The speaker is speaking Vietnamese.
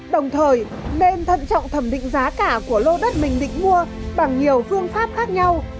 đồng thời nên thận trọng thẩm định giá cả của lô đất mình định mua bằng nhiều phương pháp khác nhau